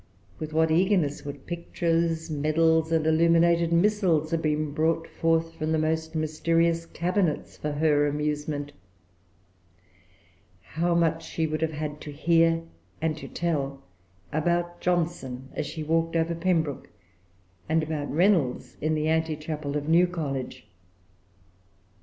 With what eagerness would pictures, medals, and illuminated missals have been brought forth from the most mysterious cabinets for her amusement! How much she would have had to hear and to tell about Johnson, as she walked over Pembroke, and about Reynolds, in the antechapel of New College!